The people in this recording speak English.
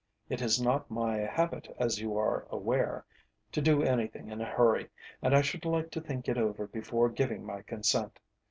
"It is not my habit, as you are aware, to do anything in a hurry, and I should like to think it over before giving my consent.